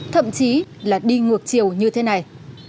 thậm chí là đi ngược chiều như thế này